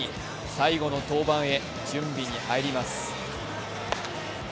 最後の登板へ準備に入ります。